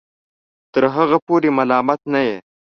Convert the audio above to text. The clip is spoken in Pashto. تر هغه پورې ملامت نه یې